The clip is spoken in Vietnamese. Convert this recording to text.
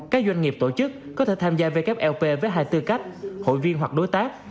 các doanh nghiệp tổ chức có thể tham gia wfp với hai tư cách hội viên hoặc đối tác